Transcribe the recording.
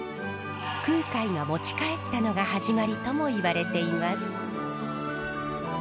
空海が持ち帰ったのが始まりともいわれています。